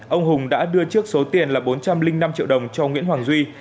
ông hùng đã đưa trước số tiền là bốn trăm linh năm triệu đồng cho nguyễn hoàng duy